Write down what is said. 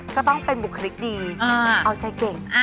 ก็ต้องเป็นบุคลิกดีเอาใจเก่ง